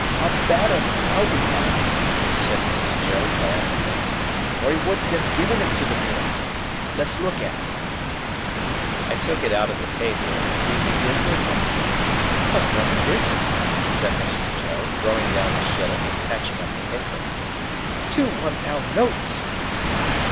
"A bad un, I'll be bound," said Mrs. Joe triumphantly, "or he wouldn't have given it to the boy! Let's look at it." I took it out of the paper, and it proved to be a good one. "But what's this?" said Mrs. Joe, throwing down the shilling and catching up the paper. "Two One Pound notes?"